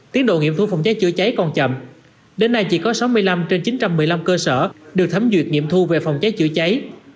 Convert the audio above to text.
tiến độ nghiệm thu phòng cháy chữa cháy còn chậm đến nay chỉ có sáu mươi năm trên chín trăm một mươi năm cơ sở được thấm duyệt nghiệm thu về phòng cháy chữa cháy